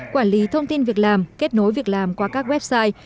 quản lý thông tin việc làm kết nối việc làm qua các website